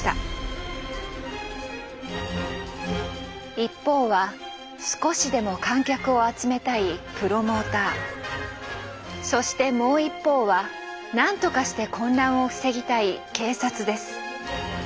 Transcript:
一方は少しでも観客を集めたいそしてもう一方はなんとかして混乱を防ぎたい警察です。